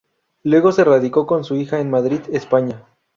Luego se radicó con su hija en Madrid, España.